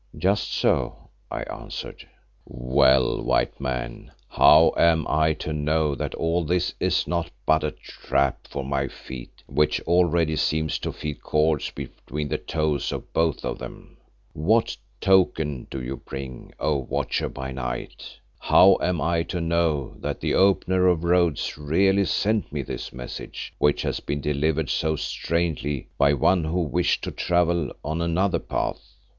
"Just so," I answered. "Well, White Man, how am I to know that all this is not but a trap for my feet which already seem to feel cords between the toes of both of them? What token do you bring, O Watcher by Night? How am I to know that the Opener of Roads really sent me this message which has been delivered so strangely by one who wished to travel on another path?